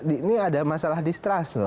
ini ada masalah distrust loh